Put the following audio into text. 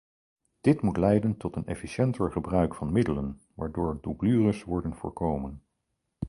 Dit moet leiden tot een efficiënter gebruik van middelen, waardoor doublures worden voorkomen.